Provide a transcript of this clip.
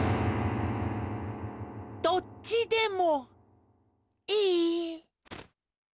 どっちでもいい？